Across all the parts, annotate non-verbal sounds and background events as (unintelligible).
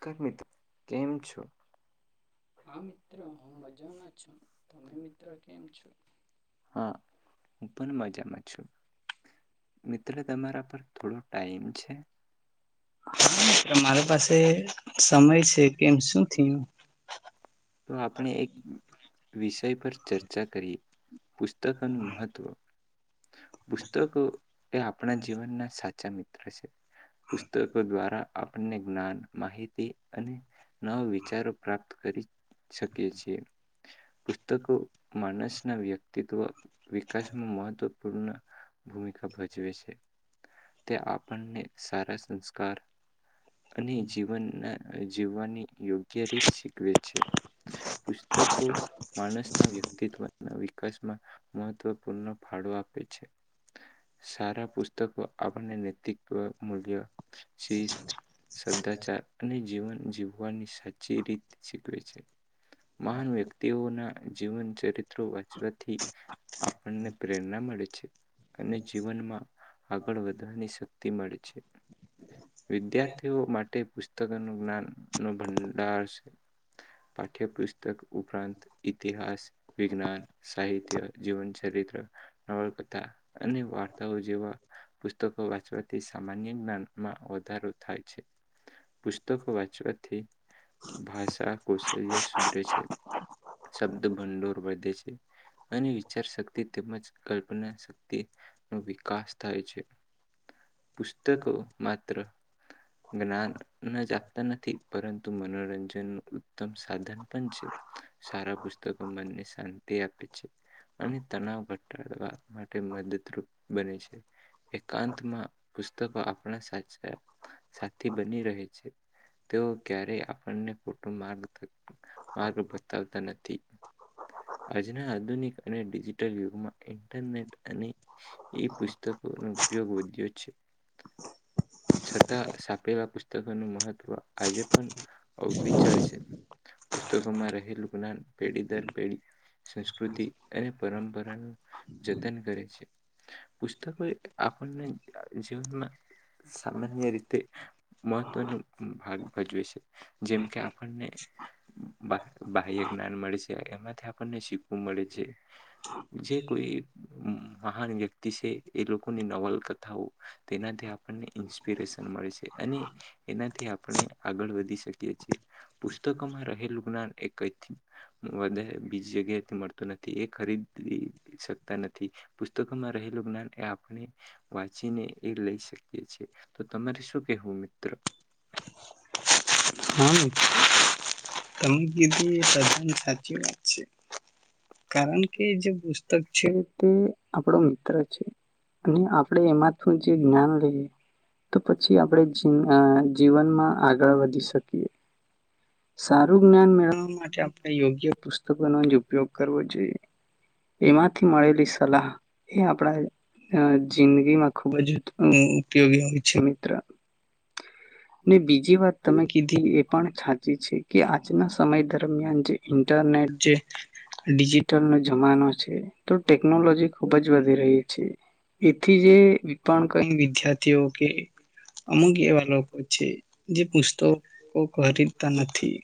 કે મિત્ર કેમ છો હા હું પણ મજામાં છું મિત્ર તમારા પર થોડો ટાઈમ છે હા મારી પાસે તે તો આપણે એક વિષય પર ચર્ચા કરીએ. પુસ્તકનું મહત્વ. પુસ્તકો એ આપણા જીવનના સાચા મિત્ર પુસ્તકો દ્વારા આપણને જ્ઞાન માહિતી તે અને નવ વિચારો પ્રાપ્ત કરી. શકી છીએ. પુસ્તક મણસના વ્યક તિતવ વિકસ નું મહત્વ પૂ ભૂમિકા ભજવે છે તે આપણને સારા સંસ્કાર અને જીવન અને જીવવાની યોગ્ય રીત શીખવે છે પુસ્તકો માણસના વ્યક્તિત્વના વિકાસ મહત્વપૂર્ણ ફાળો આપે છે, સારા પુસ્તકો આપણને નૈતિકવ મૂલ્ય શિસ્ત સધા ચાર જીવન જીવવાની સાચી રીત શીખવે છે. મહાન વ્યક્તિઓના જીવન ચરિત્રો વાંચવાથી આપણને પ્રેરણા મળે છે, અને જીવનમાં આગળ વધવાની શક્તિ મળે છે. વિદ્યાર્થીઓ માટે પુસ્ તક જ્ઞાન નો ભંડાર છે, પાઠ્યપુસ્તક ઉપરાંત ઈતિહાસ, વિજ્ઞાન, સાહિત્ય, જીવન ચરિત્ર, નવલકથા અને વાર્તાઓ જેવા પુસ્તકો વાંચવાથી સામાન્ય જ્ઞાનમાં વધારો થાય છે. પુસ્તકો વાંચવાથી ભાષા કૌશલ્ય સુધરે છે. શબ્દ ભંડોળ વધે છે, અને વિચાર શક્તિ તેમજ કલ્પના શક્તિ ન વિકાસ થાય છે. પુસ્તકો માત્ર જ્ઞાન નથી પરંતુ મનોરંજન ન ઉત્તમ સાધન પણ છે. સારા પુસ્તકો મનને શાંતિ આપે છે, અને તણાવ ઘટાડવા માટે મદદરૂપ બને છે. એકાંતમાં પુસ્તકો આપણા સા સાથી બની રહે છે. છે. તેઓ ક્યારે આપણને ખટો માર્ગ માર્ગ બતાવતા નથી આજના આધુનિક અને ડિજિટલ યુગમાં ઇન્ટરનેટ અને એ પુસ્તકોનો ઉપયોગ વધ્યો છે છતાં સાપડેલા પુતકો નું મહત્વ આજે પણ અવિચળ છે. પુસ્તકોમાં રહેલું જ્ઞાન પેઢી દર પેઢી સંસ્કૃતિ અને પરંપરા પુતકો આપણને જીવનમાં સામાન્ય રીતે મહત્વનું ભાગ ભજવે છે. જેમ કે આપણને બાહ્ય જ્ઞાન મળે છે, એમાંથી આપણને શીખવું મળે છે. જે કોઈ મહાન વ્યક્તિ શે એ લોકોની નવલકથાઓ, તેનાથી આપણને ઇન્સ્પિરેશન મળે શે અને એનાથી આપણે આગળ વધી શકીએ છેએ. પુસ્તકોમાં રહેલું જ્ઞાન એ કઈથી વધારે બીજી જગ્યાથી મળતું નથી. એ ખરીદી શકતા નથી. પુસ્તકોમાં રહેલું જ્ઞાન, એ આપણે વાંચીને એ લઈ શકીએ છે. તો તમારે શું કેહું મિત્ર હા તમે કીધું એ બધાની સાચી વાત છે. કારણ કે જે પુસ્તક છે તે આપણો મિત્ર છે. અને આપણે એમાંથીું જે જ્ઞાન લઈએ, તો પછી આપણે જીવનમાં આગળ વધી શકી સારું જ્ઞાન મેળવવા માટે આપણે યોગ્ય પુસ્તકોનો જ ઉપયોગ કરવ જોઈએ. એમાંથી મળેલી સલાહ એ આપણા અ જિંદગીમાં ખૂબ જ ઉપયોગી હોય છે મિત્ર (unintelligible) કે આજના સમય દરમિયાન જે ઇન્ટરનેટ જે ડિજિટલ નો જમાનો છે. તો ટેકનોલોજી ખુબ જ વધી રહી છે. એથી જે વિક વિદ્યાર્થીઓ કે અમુક એવા લોકો જે પુસ્તક ઓ કરી તા નથી,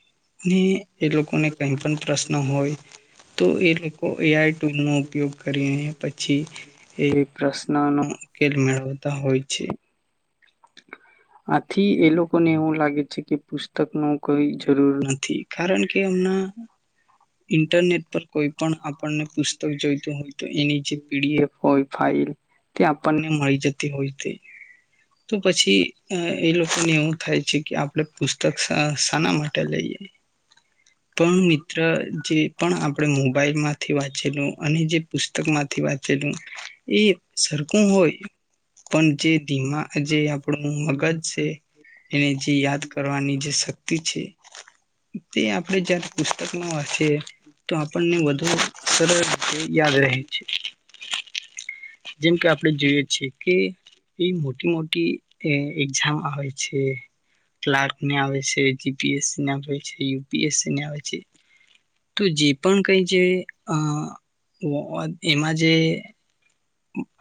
ને એ લોકોને કઈ પણ પ્રશ્ન હોય, તો એ લોકો એઆઈ ટૂલ નો ઉપયોગ કરીને પછી, એ પ્રશ્ન ન ઉકેલ મેળવતા હોય છે. આ થી એ લોકોને એવું લાગે છે કે પુસ્તક ન કોઈ જરૂર નથી. કારણ કે એમના, ઇન્ટરનેટ પર કોઈ પણ આપણને પુસ્તક જોઈતું હોય તો એની જે પી ડી એફ હોય ફાઇલ, તે આપણને મળી જતી હોય છે. તો પછી અ એ લોકોને એવું થાય છે કે આપણે પુસ્તક સ શાના માટે લઈએ, પણ મિત્ર જે પણ આપણે મોબાઈલ માંથી વાંચેલું અને જે પુસ્તક માંથી વાંચેલું, એ સરખું હોય પણ જે ધીમા જે આપણું છે, એને જે યાદ કરવાની જે શક્તિ છે, તે આપણે જ્યારે પુસ્તકમાં વાંચીએ તો આપણને વધુ સરળ રીતે યાદ રહે છે, જેમ કે આપણે જોઈએ છી કે એ મોટી એક્ઝામ આવે છે. ક્લાર્ક ને આવે છે, જી પી એસ સી ને આવે છે, યુ પી એસ સી ને આવે છે, તો જે પણ કઈ જે અ વો એમાં જે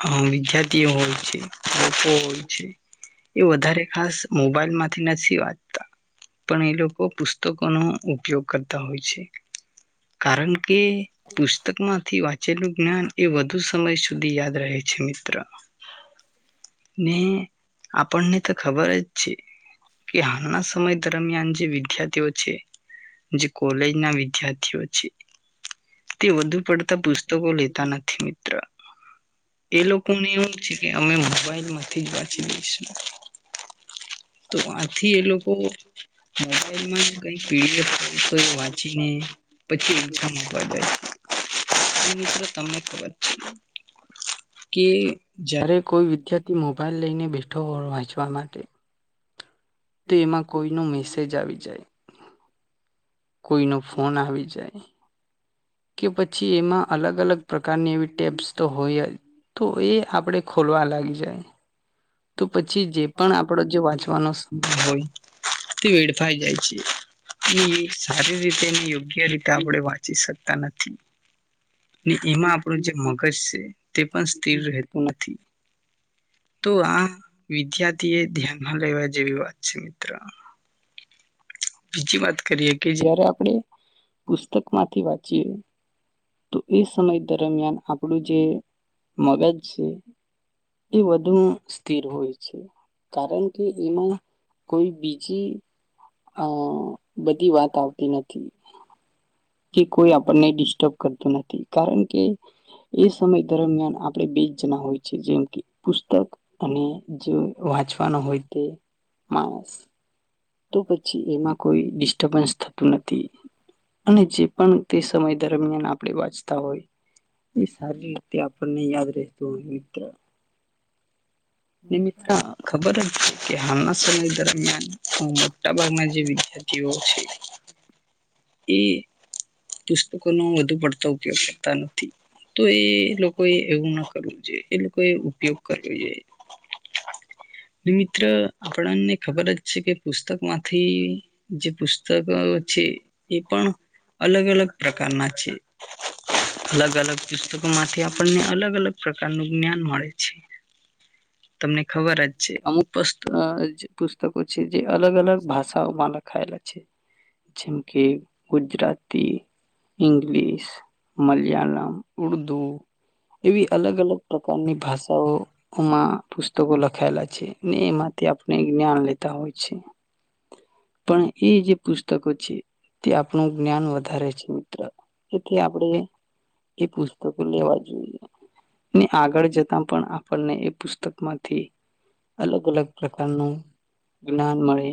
અ વિદ્યાર્થીઓ હોય છે, લોકો હોય છે, એ વધારે ખાસ મોબાઈલ માંથી નથી વાંચતા, પણ એ લોકો પુસ્તકોનો ઉપયોગ કરત તા હોય છે, કારણ કે પુસ્તક માંથી વાચ છેલ્લુ જ્ઞાન એ વધુ સમય સુધી યાદ રહે છે મિત્ર, ને આપણને તો ખબર જ છે કે હાલના સમય દરમિયાન જે વિદ્યાર્થીઓ છે, જે કોલેજ ના વિદ્યાર્થીઓ છે તે વધુ પડતા પુસ્તકો લેતા નથી મિત્ર એ લોકોને એવું છે કે અમે મોબાઈલ માંથી જ વાંચી લઈશું તો આથી એ લોકો મોબાઈલમાં કઈ પીડીફ વાંચીને પછીવા જાય મિત્ર તમને ખબર છે કે જય્યારે કોઈ વિદ્યાર્થી મોબાઈલ લઈને બેઠો હો વાંચવા માટે તો એમાં કોઈ ન મેસેજ આવી જાય કોઈનો ફોન આવી જાય કે પછી એમાં અલગ અલગ પ્રકારની એવી ટેબ્સ તો હોય જ તો એ આપણે ખોલવા લાગી જાય તો પછી જે પણ આપણો જે વાંચવાનોભ હોય તે વેડફાઈ જાય છે અને સારી રીતે યોગ્ય રીતે આપણે વાંચી શકીએ એમાં આપણું જે મગજ છે તે પણ સ્થિર રહેતું નથી તો આ વિદ્યાર્થી એ ધ્યાનમાં લેવા જે વી વાત છે મિત્રો બીજી વાત કરીએ કે જયારે આપણે પુસ્તક માંથી વાંચીએ તો એ સમય દરમિયાન આપણું જે મગજ છે એ વધુ સ્થિર હોય છે કારણ કે એમાં કોઈ બીજી (inaudible) બધી વાત આવતી નથી કે કોઈ આપણને ડિસ્ટર્બ કરતું નથી કારણ કે એ સમય દરમિયાન આપણે બે જ જણા હોય છે જેમ કે પુસ્તક અને જે વાંચવાનો હોય તે માણસ તો પછી એમાં કોઈ થતું નથી અને જે પણ તે સમય દરમિયાન આપણે વાંચતા હોય એ સારી રીતે આપણને યાદ રહેતું હોય મિત્ર ને મિત્ર ખબર જ કે હાલ સ જરા દરમિયાન મોટા ભાગના જે વિદ્યાર્થીઓ છે એ પુસ્તકોનો વધુ પડતો ઉપયોગ કરતા નથી તો એ લોકોએ એવું ન કરવું જોઈએ એ લોકોએ ઉપયોગ કરવો જોઈ મિત્ર આપણને ખબર જ છે કે પુસ્તક માંથી જે પુસ્તકો છે એ પણ અલગ અલગ પ્રકારના છે અલગ અલગ પુસ્તકોમાંથી આપણને અલગ અલગ પ્રકારનું જ્ઞાન મળે છે તમને ખબર જ છે અમુક પસ્ત ક છે જે અલગ અલગ ભાષાઓમાંને ખાયલા છે જેમ કે ગુજરાતી ઇંગ્લિશ મલયાવાવવલમ ઉર્દુ એવી અલગ અલગ પ્રકારની ભાષાઓ એમાં પુસ્તકો લખાયેલા છે ને એમાંથી આપણે જ્ઞાન લેતા હોય છે પણ એ જે પુસ્તકો છે તે આપણું જ્ઞાન વધારે છે મિત્ર એથી આપડે એ પુસ્તકો લેવા જોઈએ ને આગળ જતા પણ આપ ને એ પુસ્તકમાંથી અલગ અલગ પ્રકારનું જ્ઞાન મળે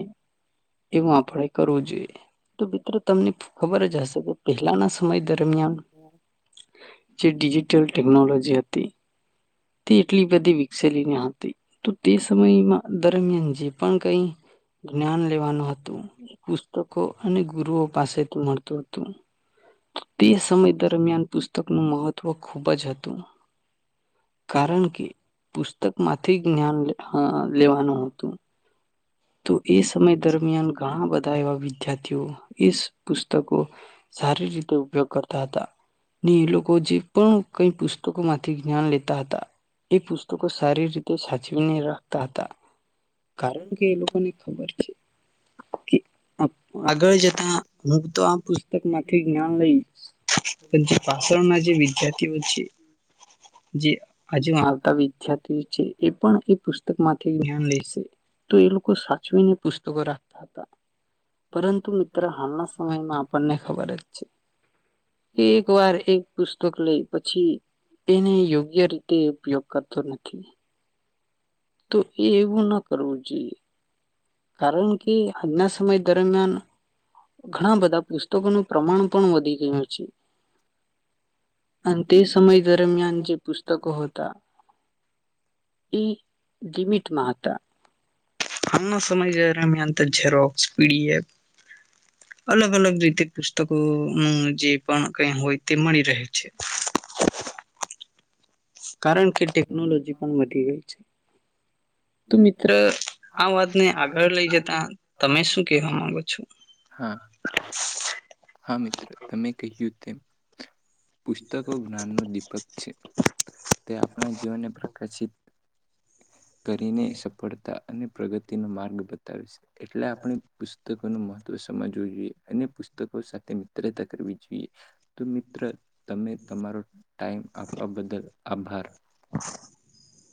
એવું આપણે કરવું જોઈએ, તો મિત્રો તમને ખબર જ હશે કે પહેલાના સમય દર દરમિયાન જે ડિજીિટલ ટેકનોલોજી હતી. તે. એટલી બધી વિકસેલી ના હતી તો તે સમયમાં દરમિયાન જે પણ કઈ જ્ઞાન લેવાનું હતું એ પુસ્તકો અને ગુરુઓ પાસેથી મળતું હતું. તે સમય દરમિયાન પુસ્તક નું મહ તવ ખૂબ જ હતું. કારણ. પુસ્તક માંથી જ્ઞાન હ લેવાનું હતું. તો એ સમય દરમિયાન ઘણા બ એવા વિદ્યાર્થીઓ એ પુસ્તકો સારી રીતે ઉપયોગ કરતા હતા, ને એ લોકો જે પણ કઈ પુસ્તકો માંથી જ્ઞાન લેતા હતા એ પુસ્ત તકો શારી રીતે સાચવીને રાખ તા હતા. કારણ. કે એ લોકો ને ખબર છે કે આપ. આગળ જતા હું તો આ પુસ્તક માંથી જ્ઞાન લઈશ પણ જે પાષણના જે વિદ્યાર્થીઓ છે, જે આજુ આવતા વિદ્યાર્થીઓ છે એ પણ એ પુસ્તક માંથી જ્ઞાન લેશે. તો એ લોકો સાચવીને પુસ્તકો રાખતા હતા. પરંતુ મિત્ર હાલના સમયમાં આપણને ખબર જ છે કે, એક વાર એક પુસ્તક લઈ પછી એને યોગ્ય રીતે ઉપયોગ કરતો નથી. ઓકે. તો એ એવું ના કરવું જોઈએ. કારણ કે આજના સમય દરમિયાન ઘણા બધા પુસ્તકોનું પ્રમાણ પણ વધી ગયું છે. અને તે સમય દરમિયાન જે પુસ્તકો હતા એ લિમિટમાં હતા. હાલ સમજ ને દરમિયાન ઝેરોક્ષ, પી ડી એફ. અલગ અલગ રીતે પુસ્તકો નું જે પણ કઈ હોય તે મળી રહે છે. હા હા મિત્ર તમે કહ્યું તેમ. પુસ્તકો જ્ઞાનનો દીપક છે. તે આપણા જીવનને પ્રકાશિત. કરીને સફળતા. અને પ્રગતિ નો માર્ગ બતાવે છે. એટલે આપણી પુસ્તક. ન મહત્વ સમજવું જોઈએ અને પુસ્તકો સાથે મિત્રતા કરવી જોઈએ તો મિત્ર તમે તમારો ટાઈમ આપવા બદલ આભાર (unintelligible)